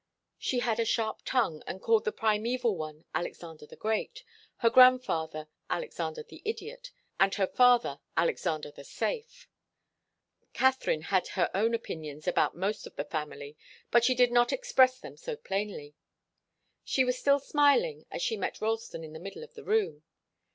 She had a sharp tongue, and called the primeval one Alexander the Great, her grandfather Alexander the Idiot, and her father Alexander the Safe. Katharine had her own opinions about most of the family, but she did not express them so plainly. She was still smiling as she met Ralston in the middle of the room.